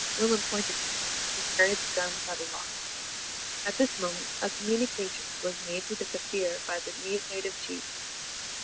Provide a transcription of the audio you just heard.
Willem pointed to him who carried the gun without a lock. At this moment, a communication was made to the Kaffir by the native chief.